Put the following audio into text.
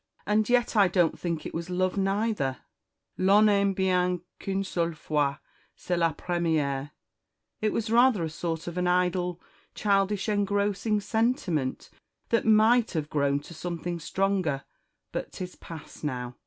And yet I don't think it was love neither 'l'on n'aime bien qu'une seule fois; c'est la première;' it was rather a sort of an idle, childish, engrossing sentiment, that might have grown to something stronger; but 'tis past now.